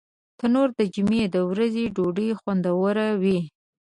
تنور د جمعې د ورځې ډوډۍ خوندوروي